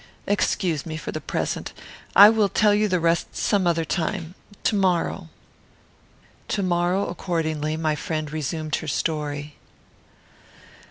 Excuse me for the present. I will tell you the rest some other time; to morrow." To morrow, accordingly, my friend resumed her story.